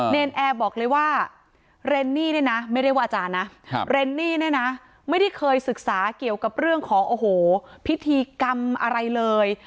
เนรนแอร์บอกเลยว่าเรนนี่เนี่ยนะไม่ได้ว่าอาจารย์นะเรนนี่เนี่ยนะไม่ได้เคยศึกษาเกี่ยวกับเรื่องของโอ้โหพิธีกรรมอะไรเลย